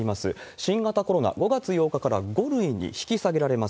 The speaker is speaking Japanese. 新型コロナ、５月８日から５類に引き下げられます。